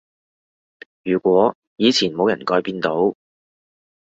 如果以前冇人改變到